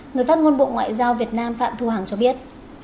người phát ngôn bộ ngoại giao việt nam phạm thu hằng cho biết